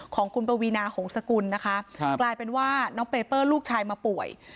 ของคุณปวีนาหงษกุลนะคะกลายเป็นว่าน้องเปเปอร์ลูกชายมาป่วย